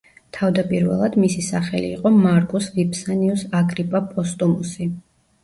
თავდაპირველად, მისი სახელი იყო მარკუს ვიფსანიუს აგრიპა პოსტუმუსი.